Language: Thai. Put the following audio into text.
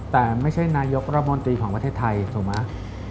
แต่ไม่ใช่นายกรัฐมนตรีของประเทศไทยถูกไหม